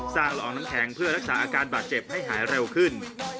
ละอองน้ำแข็งเพื่อรักษาอาการบาดเจ็บให้หายเร็วขึ้น